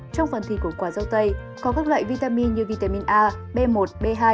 trong phần thịt của quả rau tây có các loại vitamin như vitamin a b một b hai